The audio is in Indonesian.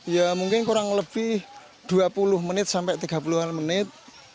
ya mungkin kurang lebih dua puluh menit sampai tiga puluh an menit